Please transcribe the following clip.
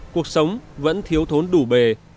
cuộc sống vẫn thiếu thốn đủ bề